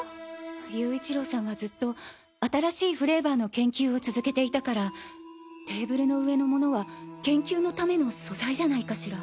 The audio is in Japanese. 勇一郎さんはずっと新しいフレーバーの研究を続けていたからテーブルの上のものは研究のための素材じゃないかしら。